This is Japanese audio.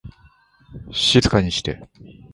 静かにして